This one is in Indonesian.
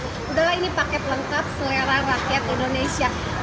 udah lah ini paket lengkap selera rakyat indonesia